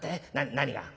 何が？